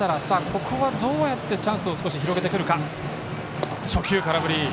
ここはどうやってチャンスを広げてくるか。